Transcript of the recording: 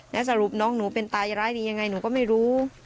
แล้วสรุปน้องหนูเป็นตายร้ายดียังไงหนูก็ไม่รู้